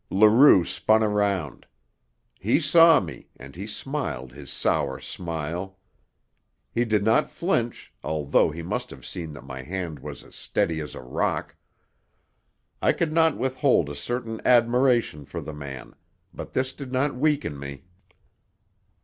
Leroux spun round. He saw me, and he smiled his sour smile. He did not flinch, although he must have seen that my hand was as steady as a rock. I could not withhold a certain admiration for the man, but this did not weaken me.